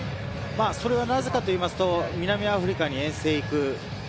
なぜかといいますと南アフリカに遠征に行く。